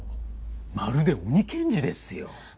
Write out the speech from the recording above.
まるで鬼検事ですよ。